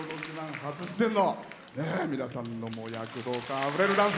初出演の皆さんの躍動感あふれるダンス。